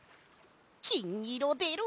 きんいろでろ！